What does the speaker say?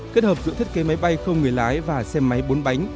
kết hợp giữa thiết kế máy bay không người lái và xe máy bốn bánh